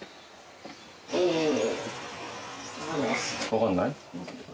わかんない？